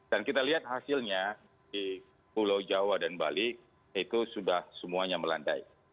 dan kita lihat hasilnya di pulau jawa dan bali itu sudah semuanya melandai